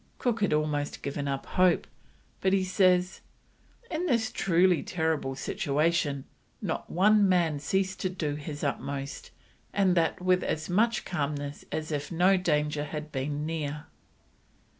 Cook had almost given up hope, but he says: "In this truly terrible situation, not one man ceased to do his utmost, and that with as much calmness as if no danger had been near."